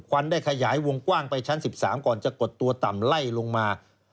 ควันได้ขยายวงกว้างไปชั้น๑๓ก่อนจะกดตัวต่ำไล่ลงมา